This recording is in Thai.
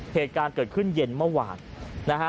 เหตุการณ์เกิดขึ้นเย็นเมื่อวานนะฮะ